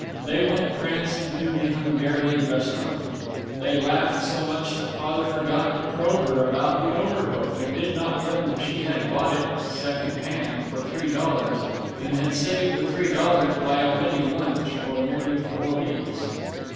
They went prancing to the Hungarian restaurant. They laughed so much that Father forgot to probe her about the overcoat, and did not learn that she had bought it second hand, for three dollars, and had saved the three dollars by omitting lunch for nearly four weeks.